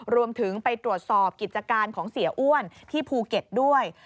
รวมถึงไปตรวจสอบกิจการของเสียอ้วนที่ภูเก็ตด้วย